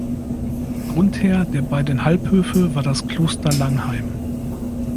Grundherr der beiden Halbhöfe war das Kloster Langheim.